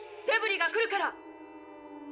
デブリが来るから。